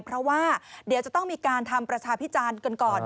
เพราะว่าเดี๋ยวจะต้องมีการทำประชาพิจารณ์กันก่อน